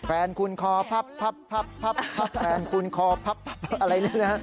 แฟนคุณคอพับอะไรนี่นะ